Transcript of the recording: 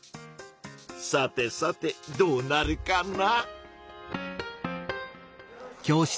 さてさてどうなるかな？